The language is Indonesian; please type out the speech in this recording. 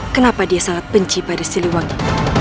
kenapa dia sangat benci pada sini wangi